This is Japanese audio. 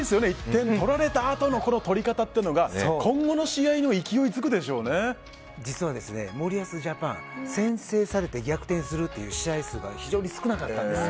１点取られたあとのこの取り方というのが今後の試合にも実は森保ジャパン先制されて逆転するという試合数が非常に少なかったんです。